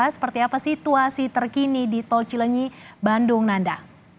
seperti apa situasi terkini di tol cilenyi bandung nanda